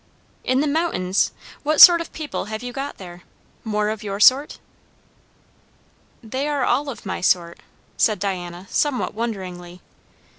"In the mountains! What sort of people have you got there? More of your sort?" "They are all of my sort," said Diana somewhat wonderingly.